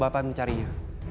bantu bapak mencarinya